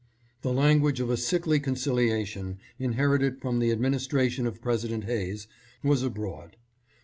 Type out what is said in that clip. The language of a sickly conciliation, inherited from the administration of President Hayes, was abroad.